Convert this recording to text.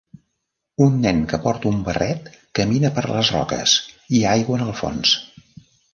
Un nen que porta un barret camina per les roques, hi ha aigua en el fons.